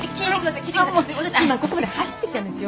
私今ここまで走ってきたんですよ。